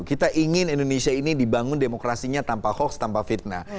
kita ingin indonesia ini dibangun demokrasinya tanpa hoax tanpa fitnah